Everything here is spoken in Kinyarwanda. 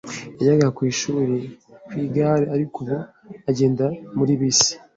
Yajyaga ku ishuri ku igare, ariko ubu agenda muri bisi.